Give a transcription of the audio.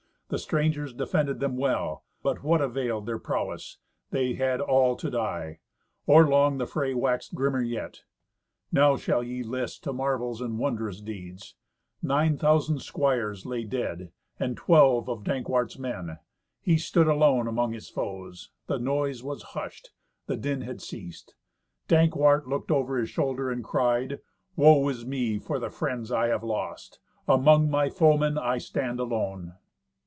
The strangers defended them well; but what availed their prowess? They had all to die. Or long the fray waxed grimmer yet. Now shall ye list to marvels and wondrous deeds. Nine thousand squires lay dead, and twelve of Dankwart's men. He stood alone among his foes. The noise was hushed, the din had ceased. Dankwart looked over his shoulder and cried, "Woe is me for the friends I have lost! Among my foemen I stand alone."